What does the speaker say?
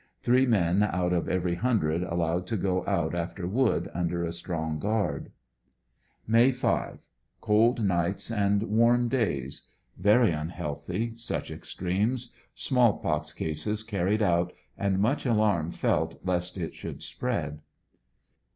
Three men out of every hundred allowed to go out after wood under a strong guard. May 5. — Cold nights and warm days. Yery unhealthy, such extremes. Small pox cases carried out, and much alarm felt lest it should spread.